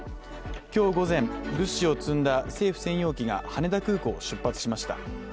今日午前、物資を積んだ政府専用機が羽田空港を出発しました。